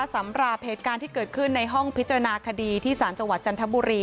สำหรับเหตุการณ์ที่เกิดขึ้นในห้องพิจารณาคดีที่สารจังหวัดจันทบุรี